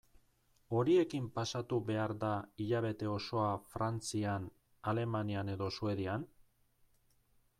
Horiekin pasatu behar da hilabete osoa Frantzian, Alemanian edo Suedian?